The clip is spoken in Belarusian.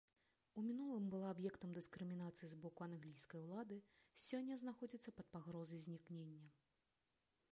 У мінулым была аб'ектам дыскрымінацыі з боку англійскай улады, сёння знаходзіцца пад пагрознай знікнення.